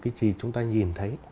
cái gì chúng ta nhìn thấy